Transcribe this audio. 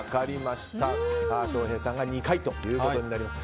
翔平さんが２回ということです。